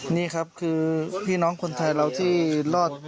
นี่ครับคือพี่น้องคนไทยเราที่รอด